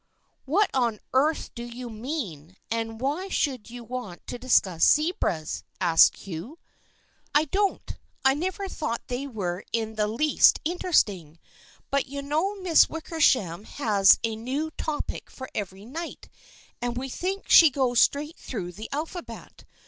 " What on earth do you mean ? And why should you want to discuss zebras?" asked Hugh. " I don't. I never thought they were in the least interesting, but you know Miss Wickersham has a new topic for each night, and we think she goes straight through the alphabet.